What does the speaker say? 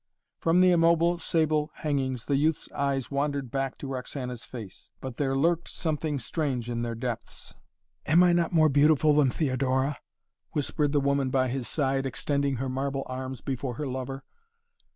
From the immobile sable hangings the youth's eyes wandered back to Roxana's face, but there lurked something strange in their depths. "Am I not more beautiful than Theodora?" whispered the woman by his side, extending her marble arms before her lover.